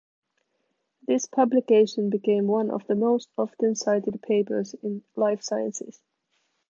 This publication became one of the most often cited papers in life sciences.